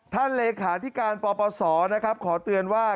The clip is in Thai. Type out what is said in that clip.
ท่านเลขาธิการปปศขอเตือนว่า